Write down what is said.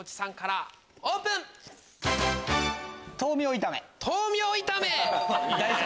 豆苗炒め！